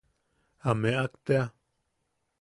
A meak tea.